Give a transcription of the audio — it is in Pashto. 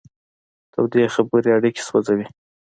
تودې خبرې اړیکې سوځوي.